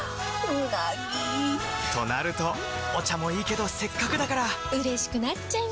うなぎ！となるとお茶もいいけどせっかくだからうれしくなっちゃいますか！